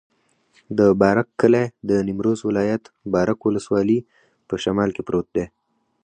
د بارک کلی د نیمروز ولایت، بارک ولسوالي په شمال کې پروت دی.